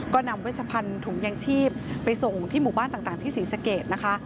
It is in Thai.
ก็นำเวชพันธุ์ถุงยังชีพไปส่งที่หมู่บ้านต่างที่ศรีสะเกดนะคะ